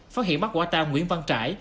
phát hiện bắt quả tà nguyễn văn trải